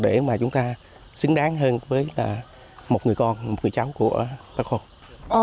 để mà chúng ta xứng đáng hơn với một người con một người cháu của bác hồ